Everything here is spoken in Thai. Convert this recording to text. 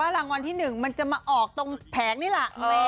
รางวัลที่๑มันจะมาออกตรงแผงนี่แหละ